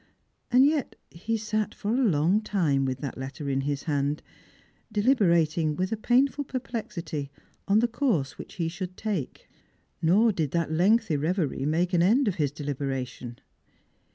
And yet he sat for a long time with that letter in his hand, deliberating, with a painful perplexity, on the course which he should take. Nor did that lengthy reverie make an end of his dehberation.